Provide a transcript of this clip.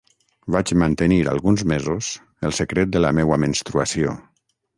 Vaig mantenir alguns mesos el secret de la meua menstruació.